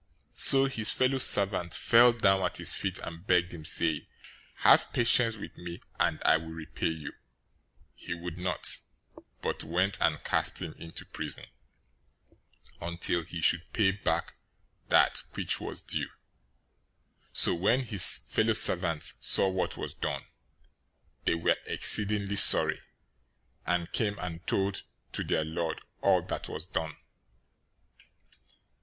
018:029 "So his fellow servant fell down at his feet and begged him, saying, 'Have patience with me, and I will repay you!' 018:030 He would not, but went and cast him into prison, until he should pay back that which was due. 018:031 So when his fellow servants saw what was done, they were exceedingly sorry, and came and told to their lord all that was done.